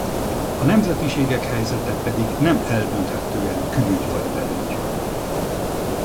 A nemzetiségek helyzete pedig nem eldönthetően külügy vagy belügy.